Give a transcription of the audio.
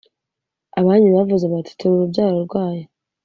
abanyu bavuze bati turi urubyaro rwayo